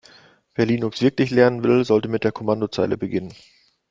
Wer Linux wirklich lernen will, sollte mit der Kommandozeile beginnen.